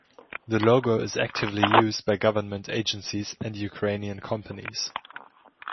The logo is actively used by government agencies and Ukrainian companies.